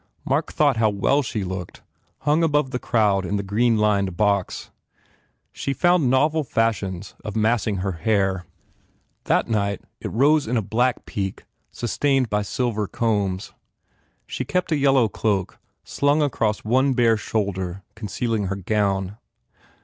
Mark thought how well she looked, hung above the crowd in the green lined box. She found novel fashions of massing her hair. *? THE FAIR REWARDS That night it rose in a black peak sustained by silver combs. She kept a yellow cloak slung across one bare shoulder concealing her gown.